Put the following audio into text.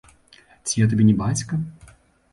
Ці я табе не бацька?